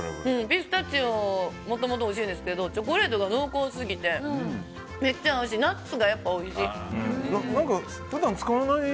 ピスタチオもともとおいしいですけどチョコレートが濃厚すぎてめっちゃ合うしナッツがやっぱ、おいしい！